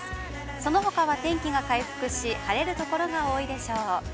そのほかは天気が回復し、晴れる所が多いでしょう。